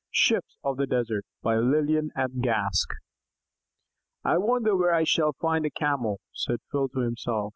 SHIPS OF THE DESERT By Lillian M. Gask "I wonder where I shall find a Camel," said Phil to himself.